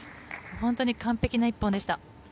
本当に完璧な１本でした。